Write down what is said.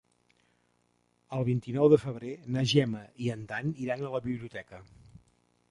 El vint-i-nou de febrer na Gemma i en Dan iran a la biblioteca.